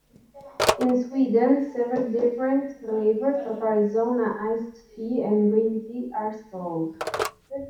In Sweden, seven different flavors of Arizona Iced Tea and Green Tea are sold.